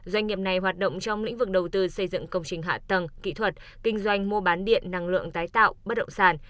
doanh nghiệp này hoạt động trong lĩnh vực đầu tư xây dựng công trình hạ tầng kỹ thuật kinh doanh mua bán điện năng lượng tái tạo bất động sản